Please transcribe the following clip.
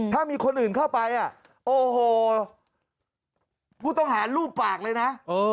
ถ้ามีคนอื่นเข้าไปโอ้โหผู้ต้องหารูปปากเลยนะ